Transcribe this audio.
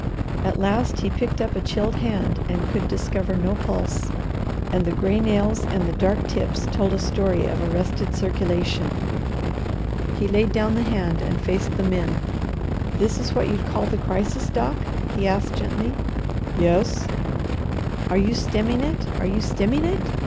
At last he picked up a chilled hand and could discover no pulse, and the gray nails and the dark tips told a story of arrested circulation. He laid down the hand and faced the men. "This is what you'd call the crisis, Doc?" he asked gently. "Yes." "Are you stemming it? Are you stemming it?